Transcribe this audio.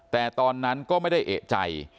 แต่ตอนนั้นก็ไม่ได้เอกใจ